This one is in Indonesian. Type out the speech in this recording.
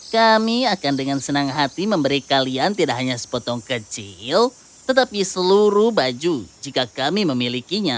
kami akan dengan senang hati memberi kalian tidak hanya sepotong kecil tetapi seluruh baju jika kami memilikinya